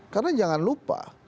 karena jangan lupa